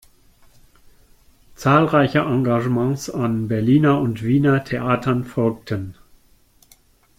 Zahlreiche Engagements an Berliner- und Wiener Theatern folgten.